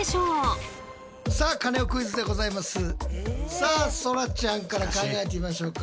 さあそらちゃんから考えてみましょうか。